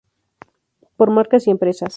Por marcas y empresas